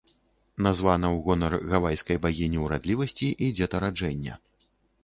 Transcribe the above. Названа ў гонар гавайскай багіні ўрадлівасці і дзетараджэння.